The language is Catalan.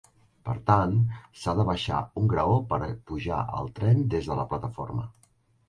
Per tant, s'ha de baixar un graó per pujar al tren des de la plataforma.